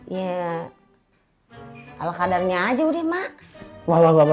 ya alkadarnya aja udah emak